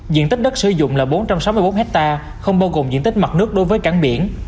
diện tích đất sử dụng là bốn trăm sáu mươi bốn hectare không bao gồm diện tích mặt nước đối với cảng biển